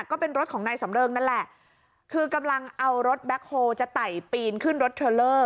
ก็เป็นรถของนายสำเริงนั่นแหละคือกำลังเอารถแบ็คโฮลจะไต่ปีนขึ้นรถเทอร์เลอร์